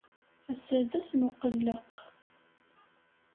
Ass-a d ass n uqelleq.